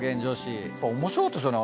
面白かったですよね